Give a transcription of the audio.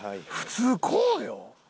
普通こうよ。